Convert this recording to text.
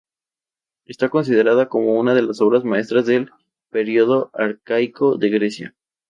Está considerada como una de las obras maestras del Período arcaico de Grecia.